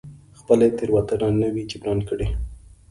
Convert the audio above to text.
خپله تېروتنه نه وي جبران کړې.